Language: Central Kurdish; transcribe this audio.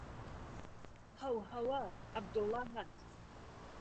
ههوههوە عهبدوڵڵا هات